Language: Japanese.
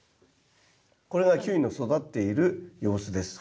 これがキュウリの育っている様子です。